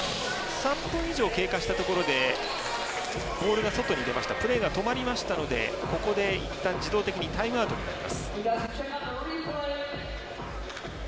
３分以上経過したところでボールが外に出ましたプレーが止まりましたのでここで、いったん、自動的にタイムアウトになります。